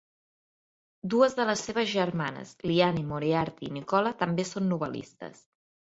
Dues de les seves germanes, Liane Moriarty i Nicola, també són novel·listes.